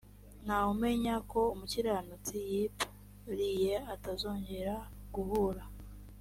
nta wumenya ko umukiranutsi yip riye atazongera guhura